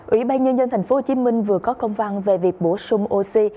ủy ban nhân dân thành phố hồ chí minh vừa có công văn về việc bổ sung oxy